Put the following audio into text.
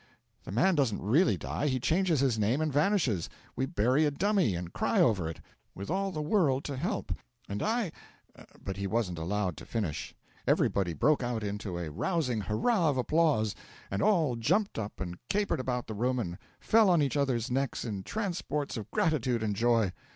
The man doesn't really die; he changes his name and vanishes; we bury a dummy, and cry over it, with all the world to help. And I " 'But he wasn't allowed to finish. Everybody broke out into a rousing hurrah of applause; and all jumped up and capered about the room and fell on each other's necks in transports of gratitude and joy.